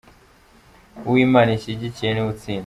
uwo Imana ishyigikiye niwe utsinda.